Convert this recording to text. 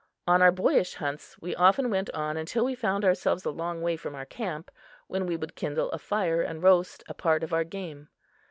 On our boyish hunts, we often went on until we found ourselves a long way from our camp, when we would kindle a fire and roast a part of our game.